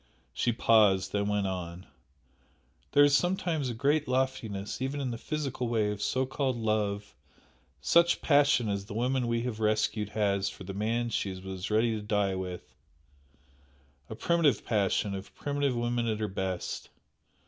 She paused, then went on "There is sometimes a great loftiness even in the physical way of so called 'love' such passion as the woman we have rescued has for the man she was ready to die with, a primitive passion of primitive woman at her best.